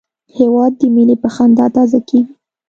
هېواد د مینې په خندا تازه کېږي.